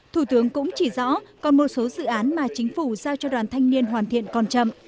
thủ tướng cũng chỉ rõ còn một số dự án mà chính phủ giao cho đoàn thanh niên hoàn thiện còn chậm